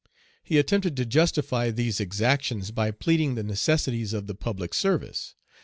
He attempted to justify these exactions by pleading the necessities of the public service.